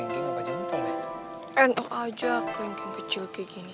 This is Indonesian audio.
namun lots belum pernah mengalami experience sejarah ini